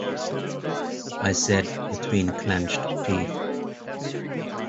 I said, between clenched teeth.